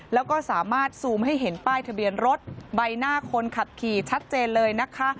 แล้วก็สามารถซูมให้เห็นป้ายทะเบียนรถใบหน้าคนขับขี่ชัดเจนเลยนะคะ